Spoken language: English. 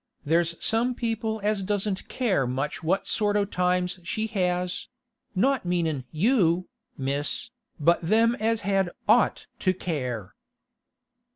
There's some people as doesn't care much what sort o' times she has—not meanin' you, Miss, but them as had ought to care.